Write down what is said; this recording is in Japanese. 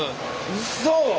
うそ！